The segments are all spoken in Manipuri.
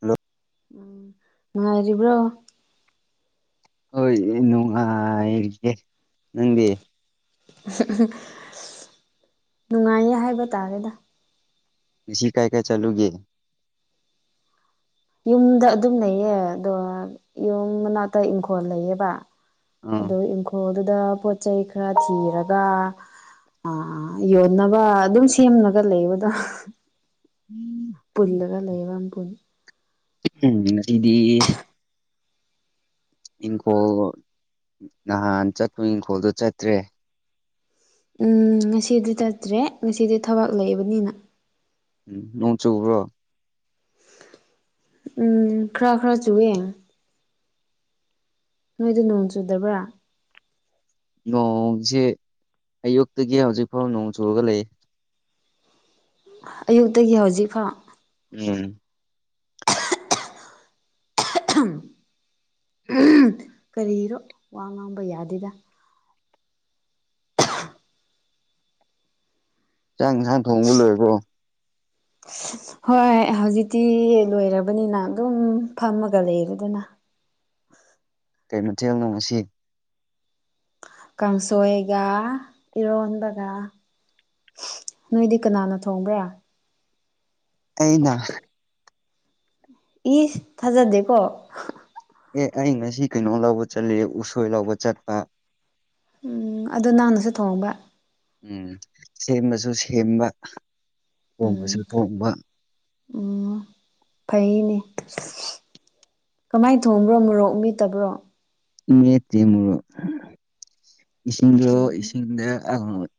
ꯍꯣ [inaudible] ꯎꯝ [unintelligible] [inaudible] ꯅꯨꯡꯉꯥꯏꯔꯤꯕ꯭ꯔꯣ? ꯍꯣꯏ ꯅꯨꯡꯉꯥꯏꯒꯦ ꯅꯪꯗꯤ ꯅꯨꯡꯉꯥꯏꯌꯦ ꯍꯥꯏꯕ ꯇꯥꯔꯦꯗ ꯁꯤꯁꯤ ꯀꯥꯏ ꯀꯥꯏ ꯆꯥꯂꯨꯒꯦ ꯌꯨꯝꯗ ꯑꯗꯨꯝ ꯂꯩꯌꯦ ꯑꯗꯣ ꯌꯨꯝ ꯃꯅꯥꯛꯇ ꯏꯪꯈꯣꯜ ꯂꯩꯌꯦꯕ ꯑꯥ ꯑ ꯏꯪꯈꯣꯜꯗꯨꯗ ꯄꯣꯠ ꯆꯩꯩ ꯈꯔ ꯊꯤꯔꯒ ꯑꯥ ꯌꯣꯟꯅꯕ ꯑꯗꯨꯝ ꯁꯦꯝꯃꯒ ꯂꯩꯌꯣꯗ ꯎꯝ ꯄꯨꯜꯂꯒ ꯂꯩꯔꯝ ꯄꯨꯟ ꯎꯝ ꯉꯁꯤꯗꯤ ꯏꯪꯈꯣꯜ ꯅꯍꯥꯟ ꯆꯠꯄ ꯏꯪꯈꯣꯜꯗ ꯆꯠꯇ꯭ꯔꯦ ꯎꯝ ꯉꯁꯤꯗꯤ ꯆꯠꯇ꯭ꯔꯦ ꯉꯁꯤꯗꯤ ꯊꯕꯛ ꯂꯩꯕꯅꯤꯅ ꯅꯣꯡ ꯆꯨꯕ꯭ꯔꯣ ꯎꯝ ꯈꯔ ꯈꯔ ꯆꯨꯏꯌꯦ ꯅꯣꯏꯗ ꯅꯣꯡ ꯆꯨꯗꯕ꯭ꯔꯥ ꯅꯣꯡꯁꯤ ꯑꯌꯨꯛꯇꯒꯤ ꯍꯧꯖꯤꯛ ꯐꯥꯎ ꯅꯣꯡ ꯆꯨꯔꯒ ꯂꯩ ꯑꯌꯨꯛꯇꯒꯤ ꯍꯧꯖꯤꯛ ꯐꯥꯎ ꯎꯝ ꯍꯥ ꯑꯍꯝ ꯎꯝ ꯀꯔꯤꯔꯣ ꯋꯥ ꯉꯥꯡꯕ ꯌꯥꯗꯦꯗ ꯖꯥꯡ ꯉꯥ ꯊꯣꯡꯕ ꯂꯣꯏꯔꯕꯣ ꯍꯣꯏ ꯍꯧꯖꯤꯛꯇꯤ ꯂꯣꯏꯔꯕꯅꯤꯅ ꯑꯗꯨꯝ ꯐꯝꯃꯒ ꯂꯩꯔꯦꯗꯅ ꯀꯩꯃꯊꯦꯜꯅꯣ ꯉꯁꯤ ꯀꯥꯡꯁꯣꯏꯒ ꯏꯔꯣꯟꯕꯒ ꯅꯣꯏꯗꯤ ꯀꯅꯥꯅ ꯊꯣꯡꯕ꯭ꯔꯥ ꯑꯩꯅ ꯏ ꯊꯥꯖꯗꯦꯀꯣ ꯑꯦ ꯑꯩ ꯉꯁꯤ ꯀꯩꯅꯣ ꯂꯧꯕ ꯆꯠꯂꯤ ꯎꯁꯣꯏ ꯂꯧꯕ ꯆꯠꯄ ꯎꯝ ꯑꯗꯨꯗ ꯅꯪꯅꯁꯨ ꯊꯣꯡꯕ ꯎꯝ ꯁꯦꯝꯕꯁꯨ ꯁꯦꯝꯕ ꯎꯝ ꯊꯣꯡꯕꯁꯨ ꯊꯣꯡꯕ ꯎꯝ ꯐꯩꯅꯦ [unintelligible] ꯀꯃꯥꯏꯅ ꯊꯣꯡꯕ꯭ꯔꯣ ꯃꯣꯔꯣꯛ ꯃꯤꯇꯕ꯭ꯔꯣ ꯃꯦꯇꯤ ꯃꯣꯔꯣ ꯏꯁꯤꯡꯗꯣ ꯎꯝ ꯏꯁꯤꯡꯗ ꯇꯥꯒꯅꯣꯏ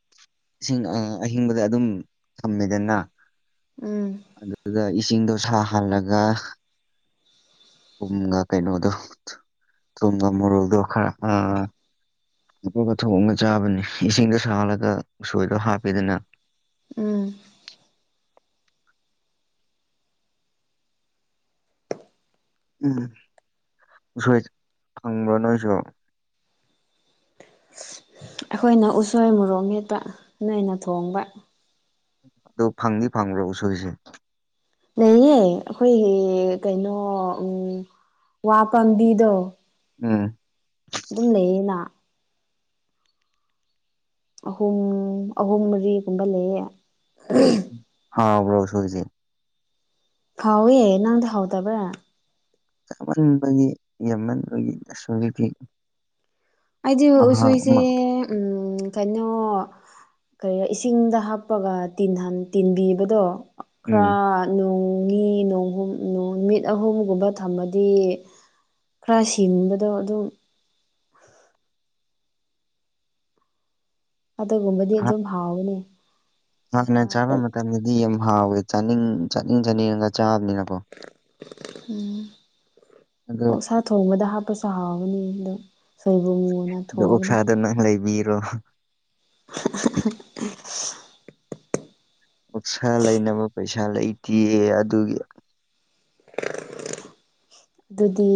ꯏꯁꯤꯡ ꯑꯥ ꯑꯍꯤꯡꯕꯗ ꯑꯗꯨꯝ ꯊꯝꯃꯦꯗꯅ ꯎꯝ ꯑꯗꯨꯗ ꯏꯁꯤꯡꯗꯣ ꯁꯥꯍꯜꯂꯒ ꯇꯨꯝꯒ ꯀꯩꯅꯣꯗꯣ ꯊꯨꯝꯒ ꯃꯣꯔꯣꯛꯗꯣ ꯈꯔ ꯑ ꯍꯥꯞꯄꯒ ꯊꯣꯡꯉꯒ ꯆꯥꯕꯅꯤ ꯏꯁꯤꯡꯗꯣ ꯁꯥꯜꯂꯒ ꯎꯁꯣꯏꯗꯣ ꯍꯥꯞꯄꯤꯗꯅ ꯎꯝ ꯎꯝ ꯎꯁꯣꯏ ꯐꯪꯕ ꯅꯣꯏꯁꯨ ꯑꯩꯈꯣꯏꯅ ꯎꯁꯣꯏ ꯃꯣꯔꯣꯛ ꯃꯦꯠꯄ ꯅꯣꯏꯅ ꯊꯣꯡꯕ ꯑꯗꯣ ꯐꯪꯅꯤ ꯐꯪꯕ꯭ꯔꯣ ꯎꯁꯣꯏꯁꯤ ꯂꯩꯌꯦ ꯑꯩꯈꯣꯏꯒꯤ ꯀꯩꯅꯣ ꯋꯥ ꯄꯥꯝꯕꯤꯗꯣ ꯎꯝ ꯑꯗꯨꯝ ꯂꯩꯌꯦꯅ ꯑꯍꯨꯝ ꯑꯍꯨꯝ ꯃꯔꯤꯒꯨꯝꯕ ꯂꯩꯌꯦ ꯍꯥꯎꯕꯔꯣ ꯎꯁꯣꯏꯖꯦ ꯍꯥꯎꯋꯦ ꯅꯪꯗ ꯍꯥꯎꯇꯕ꯭ꯔꯥ ꯆꯥꯃꯟꯕꯒꯤ ꯌꯥꯝꯃꯟꯕꯒꯤ ꯑꯁꯣꯝꯒꯤꯗꯤ ꯑꯩꯗꯤ ꯎꯁꯣꯏꯖꯦ ꯎꯝ ꯀꯩꯅꯣ ꯀꯔꯤ ꯏꯁꯤꯡꯗ ꯍꯥꯞꯄꯒ ꯇꯤꯟꯕꯤꯕꯗꯣ ꯎꯝ ꯈꯔ ꯅꯣꯡꯅꯤ ꯅꯣꯡꯍꯨꯝ ꯅꯨꯃꯤꯠ ꯑꯍꯨꯝꯒꯨꯝꯕ ꯊꯝꯃꯗꯤ ꯈꯔ ꯁꯤꯡꯕꯗꯣ ꯑꯗꯨ ꯑꯗꯨꯒꯨꯝꯕꯗꯤ ꯑꯗꯨꯝ ꯍꯥꯎꯅꯤ ꯉꯥ ꯈꯅ ꯆꯥꯕ ꯃꯇꯝꯗꯗꯤ ꯌꯥꯝ ꯍꯥꯎꯋꯦ ꯆꯥꯅꯤꯡ ꯆꯥꯅꯤꯡ ꯆꯥꯅꯤꯡꯉꯒ ꯆꯥꯕꯅꯤꯅꯀꯣ ꯎꯝ ꯑꯗꯣ ꯁꯥ ꯊꯣꯡꯕꯗ ꯍꯥꯞꯄꯁꯨ ꯍꯥꯎꯕꯅꯤ ꯑꯗꯣ ꯁꯣꯏꯕꯨꯝ ꯑꯗꯣ ꯑꯣꯛꯁꯥꯗꯣ ꯅꯪ ꯂꯩꯕꯤꯔꯣ [unintelligible] ꯑꯣꯛꯁꯥ ꯂꯩꯅꯕ ꯄꯩꯁꯥ ꯂꯩꯇꯦ ꯑꯗꯨꯒꯤ ꯑꯗꯨꯗꯤ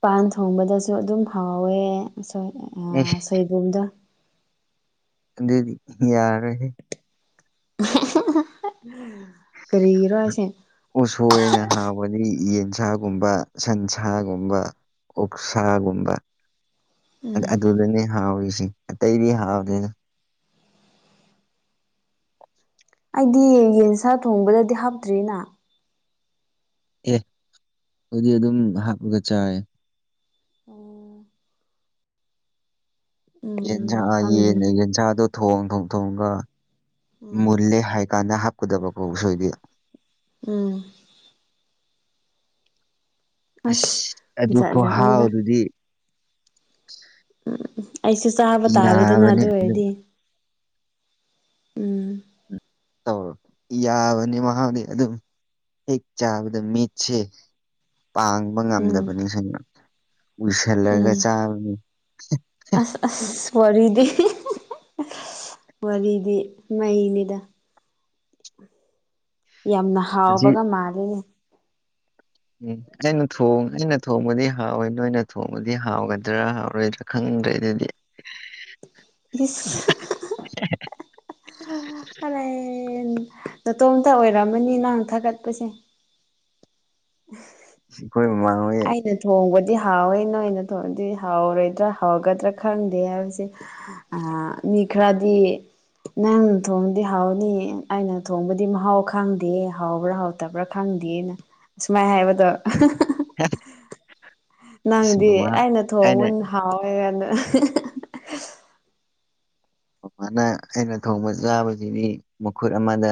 ꯄꯥꯟ ꯊꯣꯡꯕꯗꯁꯨ ꯑꯗꯨꯝ ꯍꯥꯎꯋꯦ ꯑꯁꯣꯏ꯫ ꯌꯥ ꯑꯦꯁ [unintelligible] ꯁꯣꯏꯕꯨꯝꯗꯣ ꯑꯗꯨꯗꯤ ꯌꯥꯔꯣꯏꯍꯦ ꯀꯔꯤꯒꯤꯔꯣ ꯍꯥꯏꯁꯦ ꯎꯁꯣꯏꯅ ꯍꯥꯎꯕꯗꯤ ꯌꯦꯟꯁꯥꯒꯨꯝꯕ ꯁꯟꯁꯥꯒꯨꯝꯕ꯫ ꯑꯣꯛꯁꯥꯒꯨꯝꯕ꯫ ꯑ ꯎꯝ ꯑꯗꯨꯗꯅꯦ ꯍꯥꯎꯔꯤꯁꯤꯦ ꯑꯇꯩꯗꯤ ꯍꯥꯎꯗꯦꯅ꯫ ꯑꯩꯗꯤ ꯌꯦꯟꯁꯥ ꯊꯣꯡꯕꯗꯗꯤ ꯍꯥꯞꯇ꯭ꯔꯤꯅ ꯑꯦ ꯑꯗꯨꯗꯤ ꯑꯗꯨꯝ ꯍꯥꯞꯄꯒ ꯆꯥꯏ꯫ ꯑꯣ ꯌꯦꯟꯁꯥ ꯎꯝ ꯌꯦꯟ ꯈꯪꯉꯤꯅꯤ ꯌꯦꯟꯁꯥꯡꯗꯣ ꯊꯣꯡ ꯊꯣꯡ ꯊꯣꯡꯒ ꯎꯝ ꯃꯨꯜꯂꯦ ꯍꯥꯏꯀꯥꯟꯗ꯫ ꯀꯗꯕ [unintelligible] ꯐꯥꯎ ꯁꯣꯏꯕꯤ ꯎꯝ꯫ ꯑꯁ ꯑꯗꯨ ꯖꯥꯠ ꯖꯥꯠꯅꯤꯗ ꯈꯍꯥꯎꯗꯨꯗꯤ꯫ ꯎꯝ ꯎꯝ ꯑꯩꯁꯨ ꯆꯥꯕ ꯇꯥꯔꯦꯗꯅ ꯌꯥꯕꯅꯤ ꯑꯗꯨ ꯑꯗꯨꯝ ꯑꯣꯏꯔꯗꯤ꯫ ꯎꯝ ꯇꯧꯔꯣ ꯌꯥꯕꯅꯤ ꯃꯍꯥꯛꯗꯤ ꯑꯗꯨꯝ ꯍꯦꯛ ꯆꯥꯕꯗ ꯃꯤꯠꯁꯦ ꯄꯥꯡꯕ ꯎꯝ ꯉꯝꯗꯕꯅꯤ ꯎꯏꯁꯜꯂꯒ ꯎꯝ ꯆꯥꯕꯅꯤ ꯑꯁ ꯑꯁ ꯋꯥꯔꯤꯗꯤ ꯋꯥꯔꯤꯗꯤ ꯃꯩꯅꯤꯗ ꯌꯥꯝꯅ ꯍꯧꯖꯤꯛ ꯍꯥꯎꯕꯒ ꯃꯥꯜꯂꯤꯅꯦ꯫ ꯎꯝ ꯑꯩꯅ ꯊꯣꯡ ꯑꯩꯅ ꯊꯣꯡꯕꯗꯤ ꯍꯥꯎꯋꯦ ꯅꯣꯏꯅ ꯊꯣꯡꯕꯗꯤ ꯍꯥꯎꯒꯗ꯭ꯔꯥ ꯍꯥꯎꯔꯣꯏꯗ꯫ ꯈꯪꯗ꯭ꯔꯦ ꯑꯗꯨꯗꯤ꯫ ꯏꯁ ꯑꯔꯦꯟ ꯅꯇꯣꯝꯇ ꯑꯣꯏꯔꯝꯃꯅꯤ ꯅꯍꯪ ꯊꯥꯒꯠꯄꯁꯦ꯫ ꯎ꯫ ꯑꯈꯣꯏ ꯃꯃꯥꯍꯣꯏ ꯊꯣꯡꯕꯗꯤ ꯍꯥꯎꯋꯦ ꯅꯣꯏꯅ ꯊꯣꯡꯗꯤ ꯍꯥꯎꯔꯣꯏꯗ꯭ꯔꯥ ꯍꯥꯎꯒꯗ꯭ꯔꯥ ꯈꯪꯗꯦ ꯍꯥꯏꯕꯁꯦ꯫ ꯑꯥ ꯃꯤꯈꯔꯗꯤ ꯅꯪ ꯊꯣꯡꯕꯗꯤ ꯍꯥꯎꯅꯤꯌꯦ ꯑꯩꯅ ꯊꯣꯡꯕꯗꯤ ꯃꯍꯥꯎ ꯈꯪꯗꯦꯌꯦ ꯍꯥꯎꯕ꯭ꯔꯥ ꯍꯥꯎ ꯐꯠꯇꯕ꯭ꯔꯥ ꯈꯪꯗꯦꯅ ꯑꯁꯨꯃꯥꯏ ꯍꯥꯏꯕꯗꯣ꯫ ꯍꯥ ꯅꯪꯗꯤ ꯑꯩꯅ ꯊꯣꯡꯕ ꯑꯣꯏꯅ ꯍꯥꯎꯋꯦ ꯀꯥꯏꯅ ꯑꯗꯨꯃꯅ ꯑꯩꯅ ꯊꯣꯡꯕ ꯆꯥꯕꯁꯤꯗꯤ ꯃꯈꯨꯠ ꯑꯃꯗ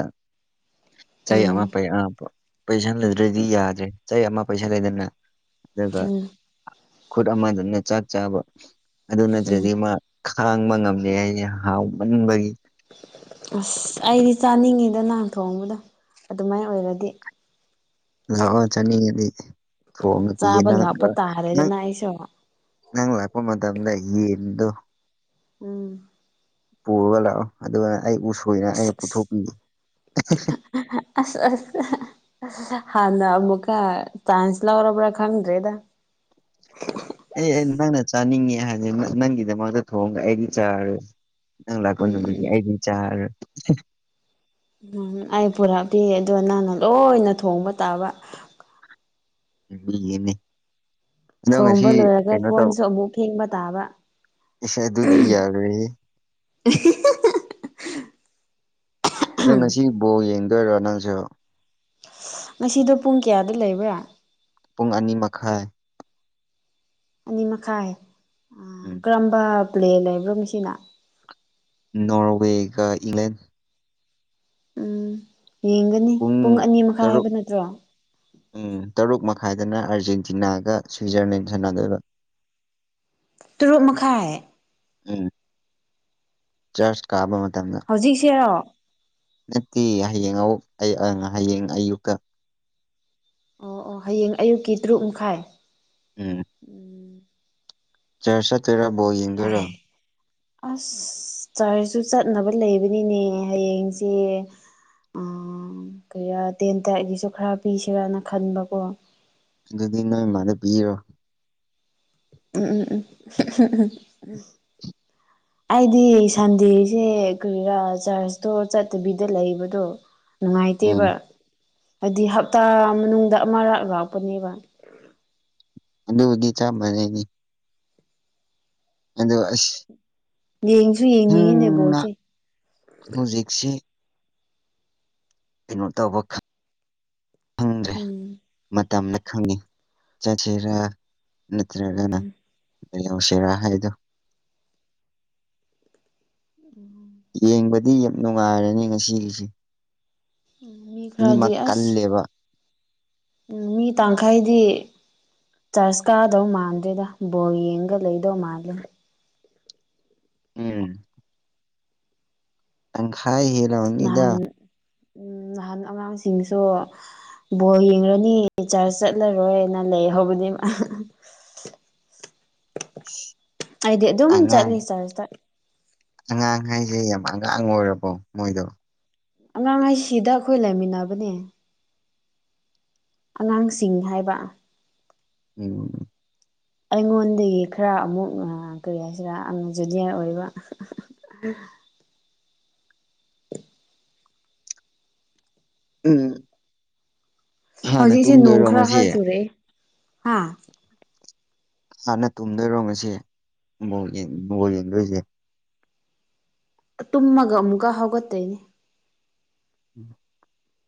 ꯎꯝ ꯆꯩꯃꯄ [unintelligible] ꯄꯩꯁꯟꯂꯨꯗ꯭ꯔꯗꯤ ꯌꯥꯗ꯭ꯔꯦ ꯆꯥꯍꯤ ꯑꯃ ꯄꯩꯁꯟꯂꯦꯗꯅ ꯑꯗꯨꯒ ꯎꯝ ꯈꯨꯠ ꯑꯃꯗꯅ ꯆꯥꯛ ꯆꯥꯕ꯫ ꯑꯗꯨ ꯎꯝ ꯅꯠꯇ꯭ꯔꯗꯤ ꯃꯥ ꯈꯥꯡꯕ ꯉꯝꯗꯦ ꯍꯥꯏꯌꯦ ꯍꯥꯎꯃꯟꯕꯒꯤ ꯑꯁ ꯑꯩꯗꯤ ꯆꯥꯅꯤꯡꯉꯤꯗ ꯅꯪ ꯊꯣꯡꯕꯗꯨ ꯑꯗꯨꯃꯥꯏ ꯑꯣꯏꯔꯗꯤ ꯂꯥꯛꯑꯣ ꯆꯥꯅꯤꯡꯉꯗꯤ ꯊꯣꯡꯒ ꯄꯤꯌꯦ ꯆꯥꯕ ꯅꯪ ꯂꯥꯛꯄ ꯅꯪ꯫ ꯇꯥꯔꯦꯗꯅ ꯑꯩꯁꯨ ꯅꯪ ꯂꯥꯛꯄ ꯃꯇꯝꯗ ꯌꯦꯟꯗꯨ ꯎꯝ ꯄꯨꯔꯒ ꯂꯥꯛꯑꯣ ꯑꯗꯨꯒ ꯑꯩ ꯎꯁꯣꯏꯅ ꯑꯁ ꯑꯩꯅ ꯄꯨꯊꯣꯛꯄꯤꯒꯦ ꯑꯁ ꯑꯁ ꯍ ꯅ ꯃꯨꯀ ꯆꯥꯥꯟꯁꯂꯔ ꯑꯣꯕ꯭ꯔ ꯈꯪ꯭ꯔꯤꯗ꯫ ꯑꯦ ꯑꯦ ꯅꯪꯅ ꯆꯥꯅꯤꯡꯉꯦ ꯍꯥꯏꯗꯤ ꯅꯪꯒꯤꯗꯃꯛꯇ ꯊꯣꯡꯒ ꯑꯩꯗꯤ ꯆꯥꯔꯣꯏ ꯅꯪ ꯂꯥꯛꯄ ꯎꯝ ꯅꯨꯃꯤꯠꯇꯤ ꯎꯝ ꯑꯩꯗꯤ ꯆꯥꯔ ꯎꯝ ꯑꯩ ꯄꯨꯔꯛꯄꯤꯒꯦ ꯑꯗꯣ ꯅꯪꯅ ꯂꯣꯏꯅ ꯊꯣꯡꯕ ꯇꯥꯕ ꯎꯅꯦ꯫ ꯊꯣꯡꯕ ꯂꯣꯏꯔꯒ ꯇꯧ ꯀꯣꯟꯁꯨ ꯑꯃꯨꯛ ꯐꯦꯡꯕ ꯇꯥꯕ ꯏꯁ ꯑꯗꯨꯗꯤ ꯌꯥꯔꯣꯏꯍꯦ [unintelligible] ꯅꯪ ꯉꯁꯤ ꯕꯣꯜ ꯌꯦꯡꯗꯣꯏꯔꯣ ꯅꯪꯁꯨ ꯉꯁꯤꯗꯣ ꯄꯨꯡ ꯀꯌꯥꯗ ꯂꯩꯕ꯭ꯔꯥ꯫ ꯄꯨꯡ ꯑꯅꯤ ꯃꯈꯥꯏ꯫ ꯑꯅꯤ ꯃꯈꯥꯏ ꯑꯥ ꯎꯝ꯫ ꯀꯔꯝꯕ ꯄ꯭ꯂꯦ ꯂꯩꯕ꯭ꯔꯣ ꯃꯤ ꯁꯤꯅ꯫ ꯅꯣꯔꯋꯦꯒ ꯏꯪꯂꯦꯟ꯫ ꯎꯝ ꯌꯦꯡꯒꯅꯤ ꯄꯨꯡ ꯑꯅꯤ ꯃꯈꯥꯏ ꯍꯥꯏꯕ ꯇꯔꯨꯛ ꯅꯠꯇ꯭ꯔꯣ꯫ ꯎꯝ ꯇꯔꯨꯛ ꯃꯈꯥꯏꯗꯅ ꯑꯥꯔꯖꯦꯟꯇꯤꯅꯥꯒ ꯁ꯭ꯋꯤꯖꯔꯂꯦꯟ ꯁꯥꯟꯅꯗꯣꯏꯕ꯫ ꯇꯨꯔꯨꯛ ꯃꯈꯥꯏ꯫ ꯎꯝ [unintelligible] [inaudible] ꯆꯥꯔꯁ ꯀꯥꯕ ꯃꯇꯝꯗ꯫ ꯍꯧꯖꯤꯛꯁꯦꯔꯣ ꯅꯠꯇꯦ ꯍꯌꯦꯡ ꯑꯃꯨꯛ ꯑꯪ ꯍꯌꯦꯡ ꯑꯌꯨꯛꯇ ꯑꯣ ꯑꯣ ꯍꯌꯦꯡ ꯑꯌꯨꯛꯀꯤ ꯇꯔꯨꯛ ꯃꯈꯥꯏ꯫ ꯎꯝ ꯎꯝ ꯆꯔ ꯆꯠꯇꯔꯣ ꯕꯣ ꯌꯦꯡꯗꯔꯣ ꯑꯁ ꯆꯔꯁꯨ ꯆꯠꯅꯕ ꯂꯩꯕꯅꯤꯅꯦ ꯍꯌꯦꯡꯁꯦ꯫ ꯀꯩꯔꯥ ꯇꯦꯟ ꯇꯥꯏꯒꯤꯁꯨ ꯈꯔ ꯄꯤꯁꯤꯔꯅ ꯈꯟꯕꯀꯣ ꯑꯗꯨꯗꯤ ꯅꯣꯏ ꯃꯥꯥꯗ ꯄꯤꯔꯣ ꯎꯝ ꯎꯝ ꯎꯝ꯫ [unintelligible] [inaudible] ꯑꯩꯗꯤ ꯁꯟꯗꯦꯁꯦ ꯀꯣꯏꯔꯥ ꯆꯔꯁꯇꯣ ꯆꯠꯇꯕꯤꯗ ꯂꯩꯕꯗꯣ꯫ ꯎꯝ ꯅꯨꯡꯉꯥꯏꯇꯦꯕ ꯍꯥꯏꯗꯤ ꯍꯞꯇꯥ ꯃꯅꯨꯡꯗ ꯑꯃꯔꯛ ꯂꯥꯛꯄꯅꯦꯕ ꯑꯗꯎꯕꯨꯗꯤ ꯆꯞ ꯃꯥꯟꯅꯩꯅꯦ ꯑꯗꯣ ꯑꯁ ꯌꯦꯡꯁꯨ ꯌꯦꯡꯅꯤꯡꯉꯤꯅꯦ ꯅꯪꯅ ꯕꯣꯜꯁꯦ꯫ ꯍꯧꯖꯤꯛꯁꯤ ꯀꯩꯅꯣ ꯇꯧꯕ꯫ ꯈꯪꯗ꯭ꯔꯦ ꯎꯝ ꯃꯇꯝꯗ ꯈꯪꯉꯤ ꯆꯠꯁꯤꯔꯥ꯫ ꯅꯠꯇ꯭ꯔꯒꯅ ꯎꯝ ꯂꯩꯍꯧꯁꯤꯔꯥ ꯍꯥꯏꯗꯨꯣ ꯎꯝ ꯌꯦꯡꯕꯗꯤ ꯌꯥꯝ ꯅꯨꯡꯉꯥꯏꯔꯅꯤ ꯉꯁꯤꯒꯤꯁꯦ꯫ ꯃꯤ ꯈꯔꯗꯤ ꯑꯁ ꯀꯜꯂꯦꯕ ꯃꯤ ꯇꯪꯈꯥꯏꯗꯤ꯫ ꯆ꯭ꯔꯁ ꯀꯥꯗꯧ ꯃꯥꯟꯗ꯭ꯔꯦꯗ ꯕꯣꯜ ꯌꯦꯡꯉꯒ ꯂꯩꯗꯧ ꯃꯥꯜꯂꯦ ꯎꯝ ꯇꯪ ꯈꯥꯏ ꯍꯦꯔꯅꯤꯗ꯫ ꯅꯍꯥꯟ ꯎꯝ ꯅꯍꯥꯟ ꯑꯉꯥꯡꯁꯤꯡꯁꯨ ꯕꯣꯜ ꯌꯦꯡꯔꯅꯤ ꯆ꯭ꯔꯆ ꯆꯠꯂꯔꯣꯏꯅ ꯂꯩꯍꯧꯕꯅꯦ ꯃꯥ ꯎ꯫ ꯍꯥꯏꯗꯤ ꯑꯗꯨꯝ ꯆꯠꯂꯤ ꯆꯔꯁꯇ꯫ ꯑꯉꯥꯡ ꯍꯥꯏꯁꯦ ꯌꯥꯝ ꯑꯉꯥꯡ ꯑꯣꯏꯔꯕꯣ ꯃꯣꯏꯗꯣ ꯑꯉꯥꯡꯍꯩꯁꯤꯗ ꯑꯩꯈꯣꯏ ꯂꯩꯃꯤꯟꯅꯕꯅꯦ꯫ ꯑꯉꯥꯡꯁꯤꯡ ꯍꯥꯏꯕ꯫ ꯎꯝ ꯑꯩꯉꯣꯟꯗꯒꯤ ꯈꯔ ꯑꯃꯨꯛ ꯀꯔꯤ ꯍꯥꯏꯁꯤꯔꯥ ꯑ ꯖꯨꯅꯤꯌꯔ ꯑꯣꯏꯕ ꯎꯝ ꯍꯥꯟꯅ ꯍꯧꯖꯤꯛꯁꯦ ꯇꯨꯝꯗꯣꯏꯔꯣ ꯅꯣꯡꯈ꯭ꯔ ꯉꯁꯤ ꯈꯔ ꯆꯨꯔꯑꯦ ꯍꯥ ꯍꯥꯟꯅ ꯇꯨꯝꯗꯣꯏꯔꯣ ꯉꯁꯤ ꯕꯣꯜ ꯌꯦꯡ ꯕꯣꯜ ꯌꯦꯡꯗꯣꯏꯖꯦ꯫ ꯇꯨꯝꯃꯒ ꯑꯃꯨꯛꯀ ꯍꯧꯒꯠꯇꯣꯏꯅꯦ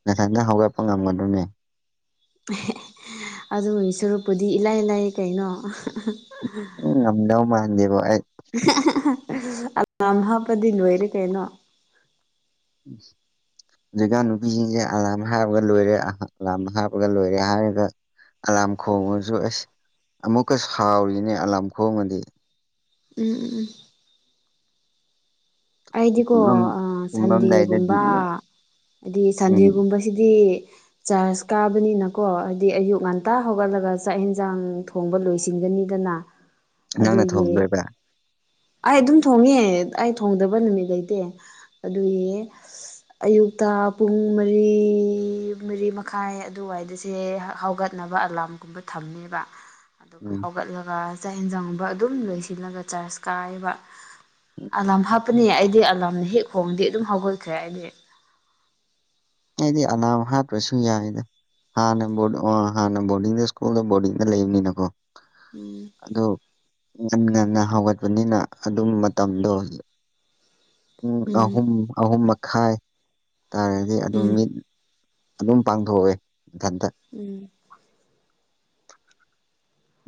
ꯅꯊꯟꯗ ꯍꯧꯒꯠꯄ ꯉꯝꯒꯗ꯭ꯔꯣꯅꯦ [unintelligible] ꯑꯗꯨꯒꯤ ꯁꯔꯨꯞꯄꯨꯗꯤ ꯏꯂꯥꯏ ꯂꯥꯏ ꯀꯩꯅꯣ [unintelligible] ꯎꯝ ꯉꯝꯗꯧ ꯃꯥꯥꯟꯗꯦꯕ ꯑꯩ [unintelligible] ꯑꯝ ꯍꯥꯞꯄꯗꯤ ꯂꯣꯏꯔꯦ ꯀꯩꯅꯣ ꯎꯝ [unintelligible] [inaudible] ꯍꯧꯖꯤꯛꯀꯥꯟ ꯅꯨꯄꯤꯁꯤꯡꯁꯦ ꯑꯂꯥꯝ ꯍꯥꯞꯄꯒ ꯂꯣꯏꯔꯦ ꯑꯂꯥꯝ ꯍꯥꯞꯄꯒ ꯂꯣꯏꯔꯦ ꯍꯥꯏꯔꯒ ꯑꯂꯥꯝ ꯈꯣꯡꯉꯁꯨ ꯑꯁ ꯑꯃꯨꯛꯀ ꯁꯥꯎꯔꯤꯅꯦ ꯑꯂꯥꯝ ꯈꯣꯡꯉꯗꯤ ꯎꯝ ꯎꯝ ꯎꯝ ꯑꯩꯗꯤꯀꯣ ꯇꯨꯝꯂꯝ ꯑ ꯇꯨꯝꯂꯝꯗꯥꯏꯗꯗꯤ ꯁꯟꯗꯦꯒꯨꯝꯕ ꯍꯥꯏꯗꯤ ꯎꯝ ꯁꯟꯗꯦꯒꯨꯝꯕꯁꯤꯗꯤ ꯆꯥꯔꯖ ꯀꯥꯕꯅꯤꯅꯀꯣ ꯍꯥꯏꯗꯤ ꯑꯌꯨꯛ ꯉꯟꯇꯥ ꯍꯧꯒꯠꯂꯒ ꯆꯥꯛ ꯍꯦꯟꯖꯥꯡ ꯊꯣꯡꯕ ꯂꯣꯏꯁꯤꯟꯒꯅꯤꯗꯅ꯫ [unintelligible] [inaudible] ꯑꯗꯨꯒꯤ ꯊꯣꯡꯗꯣꯏꯕ ꯑꯩ ꯑꯗꯨꯝ ꯊꯣꯡꯉꯦ ꯑꯩ ꯊꯣꯡꯗꯕ ꯕ ꯅꯨꯃꯤꯠ ꯂꯩꯇꯦ ꯑꯗꯨꯏ ꯑꯁ ꯑꯌꯨꯛꯇ ꯄꯨꯡ ꯃꯔꯤ ꯃꯔꯤ ꯃꯈꯥꯏ ꯑꯗꯨꯋꯥꯏꯗꯁꯦ ꯍꯧꯒꯠ ꯆꯠꯅꯕ ꯑꯂꯥꯝꯒꯨꯝꯕ ꯊꯝꯃꯦꯕ ꯑꯗꯨꯒ ꯎꯝ ꯍꯧꯒꯠꯂꯒ ꯆꯥꯛ ꯌꯦꯟꯖꯪꯒꯨꯝꯕ ꯑꯗꯨꯝ ꯂꯣꯏꯁꯤꯜꯂꯒ ꯆꯥꯔꯖ ꯀꯥꯏꯕ ꯑꯂꯥꯝ ꯍꯥꯞꯄꯅꯤ ꯑꯩꯗꯤ ꯑꯂꯥꯝꯅ ꯍꯦꯛ ꯈꯣꯡꯉꯗꯤ ꯑꯗꯨꯝ ꯍꯧꯒꯠꯈ꯭ꯔꯦ ꯑꯩꯗꯤ꯫ ꯑꯩꯗꯤ ꯑꯅꯥꯝ ꯍꯥꯞꯇ꯭ꯔꯁꯨ ꯌꯥꯏꯗ꯫ ꯍꯥꯟꯅ ꯕꯨꯗ ꯑꯣ ꯍꯥꯟꯅ ꯕꯣꯔꯗꯤꯡꯗ ꯁ꯭ꯀꯨꯜꯗ ꯕꯣꯔꯗꯤꯡꯗ ꯂꯩꯕꯅꯤꯅꯀꯣ ꯎꯝ ꯑꯗꯨ ꯉꯟ ꯉꯟꯅ ꯍꯧꯒꯠꯄꯅꯤꯅ ꯑꯗꯨꯝ ꯃꯇꯝꯗꯣ ꯂ ꯄꯨꯡ ꯎꯝ ꯑꯍꯨꯝ ꯑꯍꯨꯝ ꯃꯈꯥꯏ ꯇꯥꯔꯗꯤ ꯑꯗꯨꯝ ꯎꯝ ꯃꯤꯠ ꯑꯗꯨꯝ ꯄꯥꯡꯊꯣꯛꯑꯦ ꯃꯊꯟꯇ ꯎꯝ [unintelligible] [inaudible]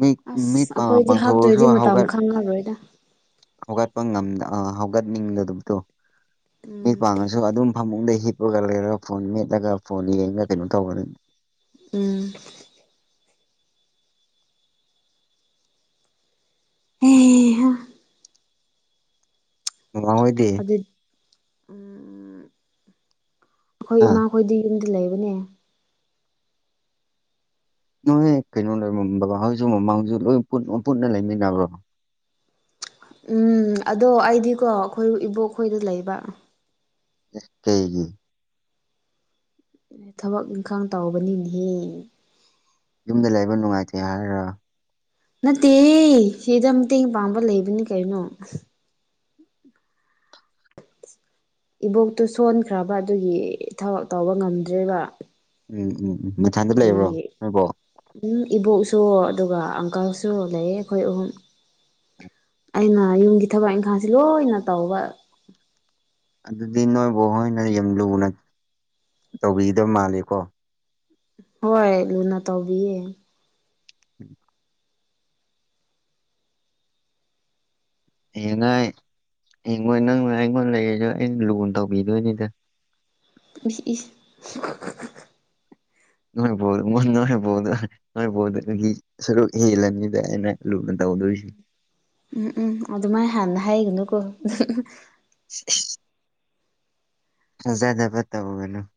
ꯃꯤꯠ ꯃꯤꯠ ꯑꯁ ꯑꯩꯈꯣꯏꯗꯤ ꯄꯥꯡꯊꯣꯛꯑꯁꯨ ꯍꯥꯞꯇ꯭ꯔꯣꯗꯤ ꯃꯇꯝ ꯍꯧꯒꯠ ꯈꯪꯉꯔꯣꯏꯗ ꯍꯧꯒꯠꯄ ꯉꯝꯗ ꯑ ꯍꯧꯒꯠꯅꯤꯡꯗꯗꯨꯞꯗꯣ ꯃꯤ ꯎꯝ ꯄꯥꯡꯉꯁꯨ ꯑꯗꯨꯒ ꯑꯗꯨꯝ ꯐꯃꯨꯡꯗ ꯍꯤꯞꯄꯒ ꯂꯩꯔꯒ ꯐꯣꯟ ꯃꯦꯠꯂꯒ ꯐꯣꯟ ꯌꯦꯡꯉ ꯀꯩꯅꯣ ꯇꯧꯕꯅꯤ ꯎꯝ [unintelligible] [inaudible] ꯑꯩ ꯍꯥ ꯕꯥꯕꯥ ꯍꯣꯏꯗꯤ ꯑꯗꯨ ꯎꯝ ꯑꯩꯈꯣꯏ ꯑꯥ ꯏꯃꯥꯈꯣꯏꯗꯤ ꯌꯨꯝꯗ ꯂꯩꯕꯅꯦ ꯅꯣꯏꯍꯦ ꯀꯩꯅꯣ ꯂꯩꯕ꯭ꯔ ꯕꯕꯥ ꯍꯣꯏꯖꯨ ꯃꯃꯥ ꯍꯣꯏꯁꯨ ꯂꯣꯏ ꯄꯨꯟꯅ ꯂꯩꯃꯤꯟꯅꯕ꯭ꯔꯣ ꯎꯝ ꯑꯗꯣ ꯑꯩꯗꯤꯀꯣ ꯑꯩꯈꯣꯏ ꯏꯕꯣꯛꯈꯣꯏꯗ ꯂꯩꯕ ꯑꯦ ꯀꯩꯒꯤ ꯊꯕꯛ ꯏꯪꯈꯥꯡ ꯇꯧꯕꯅꯤꯅꯦꯍꯦ ꯌꯨꯝꯗ ꯂꯩꯕ ꯅꯨꯡꯉꯥꯏꯇꯦ ꯍꯥꯏꯔ ꯅꯠꯇꯦꯍꯦ ꯁꯤꯗ ꯃꯇꯦꯡ ꯄꯥꯡꯕ ꯂꯩꯕꯅꯤ ꯀꯩꯅꯣ ꯏꯕꯣꯛꯇꯨ ꯁꯣꯟꯈ꯭ꯔꯕ ꯑꯗꯨꯒꯤ ꯊꯕꯛ ꯇꯧꯕ ꯉꯝꯗ꯭ꯔꯦꯕ ꯎꯝ ꯎꯝ ꯎꯝ ꯃꯊꯟꯗ ꯂꯩꯕ꯭ꯔꯣ ꯑꯗꯨꯒꯤ ꯅꯣꯏꯕꯣꯛ ꯎꯝ ꯏꯕꯣꯛꯁꯨ ꯑꯗꯨꯒ ꯑꯪꯀꯜꯁꯨ ꯂꯩꯌꯦ ꯑꯈꯣꯏ ꯑꯍꯨꯝ꯫ ꯑꯩꯅ ꯌꯨꯝꯒꯤ ꯊꯕꯛ ꯏꯪꯈꯥꯡꯁꯤ ꯂꯣꯏꯅ ꯇꯧꯕ ꯑꯗꯨꯗꯤ ꯅꯣꯏ ꯕꯣꯍꯣꯏꯅ ꯌꯥꯝ ꯂꯨꯅ ꯇꯧꯕꯤꯗꯕ ꯃꯥꯂꯤꯀꯣ꯫ ꯍꯣꯏ ꯂꯨꯅ ꯇꯧꯕꯤꯌꯦ ꯎꯝ ꯍꯌꯦꯉꯥꯏ ꯍꯌꯦꯡꯋꯥꯏ ꯅꯪꯅ ꯑꯩꯉꯣꯟ ꯂꯩꯔꯖꯨ ꯑꯩꯅ ꯂꯨꯅ ꯇꯧꯕꯤꯗꯣꯏꯅꯤꯗ꯫ ꯏꯁ ꯏꯁ [unintelligible] ꯅꯣꯏꯕꯣꯗꯨ ꯃꯨ ꯅꯣꯏꯕꯣꯗ ꯅꯣꯏ ꯕꯣꯗ ꯗꯒꯤ ꯁꯔꯨꯛ ꯍꯦꯜꯂꯅꯤꯗ ꯑꯩꯅ ꯂꯨꯅ ꯇꯧꯗꯣꯏꯁꯤ꯫ ꯎꯝ ꯎꯝ ꯑꯗꯨꯃꯥꯏꯅ ꯍꯥꯟꯅ ꯍꯥꯏꯒꯅꯨꯀꯣ [inaudible] ꯖꯗ ꯄꯠꯇ ꯍꯒꯦꯅꯣ [inaudible]